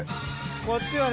こっちはね